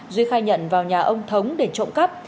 duy khai nhận vào nhà ông thống để trộm cắp